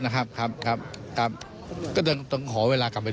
ก็จะถือว่าเป็นตัวอย่างก็ได้นะครับ